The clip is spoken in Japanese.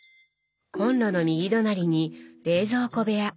コンロの右隣に冷蔵庫部屋。